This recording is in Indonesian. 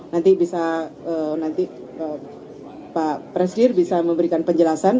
nanti bisa nanti pak presidir bisa memberikan penjelasan